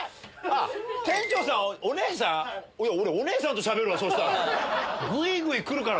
店長さんはお姉さん⁉俺お姉さんとしゃべるわグイグイ来るから。